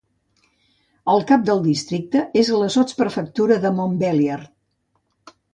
El cap del districte és la sotsprefectura de Montbéliard.